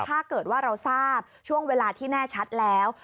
ถ้าเกิดว่าเราทราบช่วงเวลาที่แน่ชัดแล้ว